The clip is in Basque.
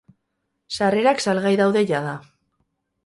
Sarrerak salgai daude jada.